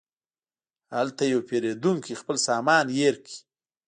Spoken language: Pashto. هلته یو پیرودونکی خپل سامان هېر کړ.